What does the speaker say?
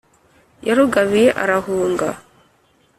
yarugabiye aruhanga